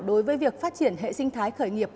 đối với việc phát triển hệ sinh thái khởi nghiệp